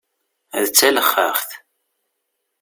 D talexxaxt!